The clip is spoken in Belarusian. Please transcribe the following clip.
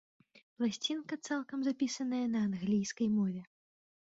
Пласцінка цалкам запісаная на англійскай мове.